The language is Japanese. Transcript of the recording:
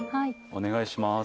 お願いします。